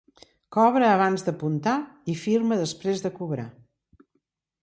Cobra abans d'apuntar i firma després de cobrar.